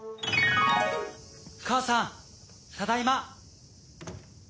母さんただいま。